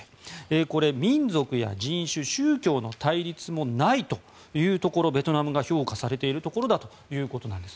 これ、民族や人種、宗教の対立もないというところをベトナムが評価されているところだということです。